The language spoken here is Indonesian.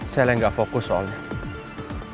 saya yang gak fokus soalnya